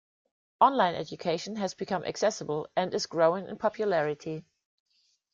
Online Education has become accessible and is growing in popularity.